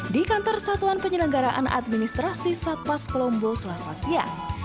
di kantor satuan penyelenggaraan administrasi satpas kolombo selasa siang